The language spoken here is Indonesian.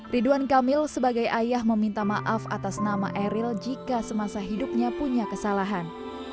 ridwan kamil sebagai ayah meminta maaf atas nama eril jika semasa hidupnya punya kesalahan